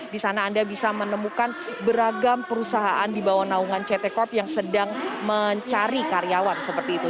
di sana anda bisa menemukan beragam perusahaan di bawah naungan ct corp yang sedang mencari karyawan seperti itu